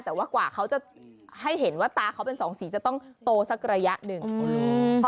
แต่ว่ากว่าเขาจะให้เห็นว่าตาเขาเป็นสองสีจะต้องโตสักระยะหนึ่ง